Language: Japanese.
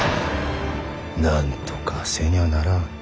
なんとかせにゃならん。